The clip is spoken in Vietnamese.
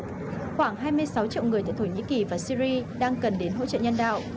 khoảng hai mươi sáu triệu người tại thổ nhĩ kỳ và syri đang cần đến hỗ trợ nhân đạo